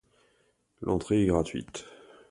L'entrée est gratuite.